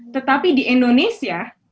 tetapi di indonesia